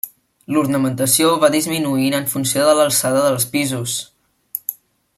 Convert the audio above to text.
L'ornamentació va disminuint en funció de l'alçada dels pisos.